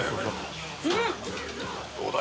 どうだよ？